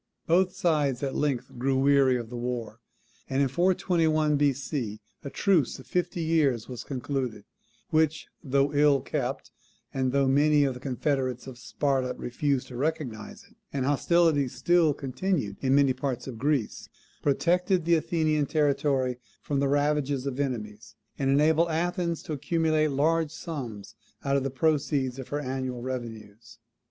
Both sides at length grew weary of the war; and in 421 B.C. a truce of fifty years was concluded, which, though ill kept, and though many of the confederates of Sparta refused to recognise it, and hostilities still continued in many parts of Greece, protected the Athenian territory from the ravages of enemies, and enabled Athens to accumulate large sums out of the proceeds of her annual revenues.